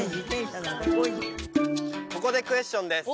ここでクエスチョンです